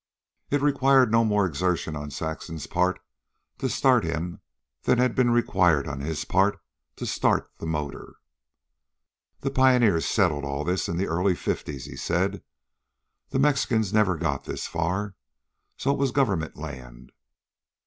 It required no more exertion on Saxon's part to start him than had been required on his part to start the motor. "The pioneers settled all this in the early fifties," he said. "The Mexicans never got this far, so it was government land.